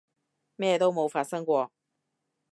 咩都冇發生過